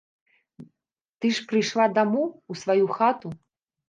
Ты ж прыйшла дамоў, у сваю хату.